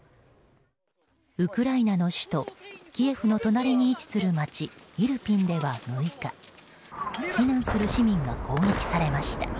ウクライナの首都キエフの隣に位置する街イルピンでは６日避難する市民が攻撃されました。